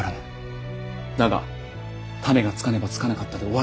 だが種がつかねばつかなかったで終わるだけの話だ。